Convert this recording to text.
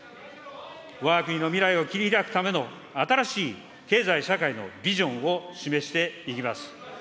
わが国の未来を切り開くための新しい経済社会のビジョンを示していきます。